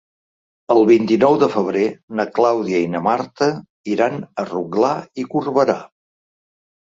El vint-i-nou de febrer na Clàudia i na Marta iran a Rotglà i Corberà.